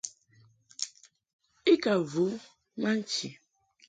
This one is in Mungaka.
I ka vu ma nchi.